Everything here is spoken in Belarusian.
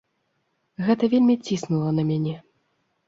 Гэта вельмі ціснула на мяне.